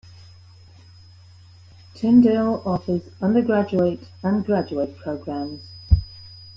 Tyndale offers undergraduate and graduate programs.